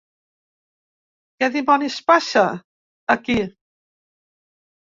Què dimonis passa, aquí?